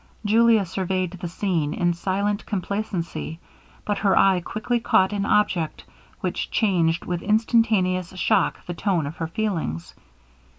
Julia surveyed the scene in silent complacency, but her eye quickly caught an object which changed with instantaneous shock the tone of her feelings.